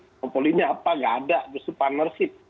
monopolinya apa nggak ada justru partnership